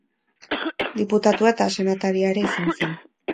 Diputatua eta senataria ere izan zen.